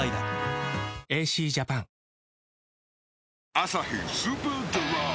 「アサヒスーパードライ」